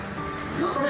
頑張れ！